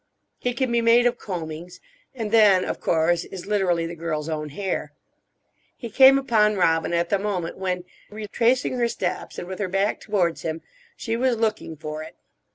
It can be made of combings, and then, of course, is literally the girl's own hair. He came upon Robina at the moment when, retracing her steps and with her back towards him, she was looking for it.